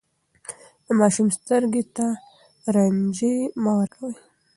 د ماشوم سترګو ته رنجې مه ورکوئ.